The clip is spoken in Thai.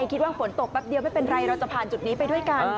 คิดว่าฝนตกแป๊บเดียวไม่เป็นไรเราจะผ่านจุดนี้ไปด้วยกัน